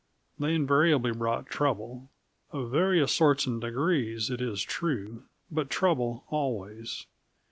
They invariably brought trouble; of various sorts and degrees, it is true, but trouble always.